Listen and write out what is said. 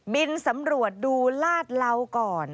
บินสำรวจดูลาดเหลาก่อน